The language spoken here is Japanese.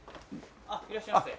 あっいらっしゃいませ。